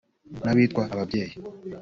N'abitwa ababyeyi